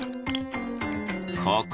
ここ！